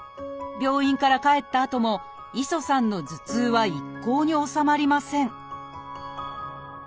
病院から帰ったあとも磯さんの頭痛は一向に治まりません